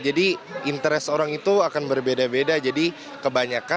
jadi interes orang itu akan berbeda beda